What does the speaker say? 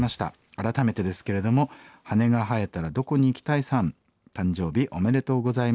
改めてですけれどもはねがはえたらどこに行きたいさん誕生日おめでとうございます。